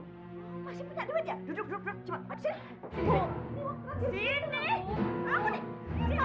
kalau gue main judi gue menang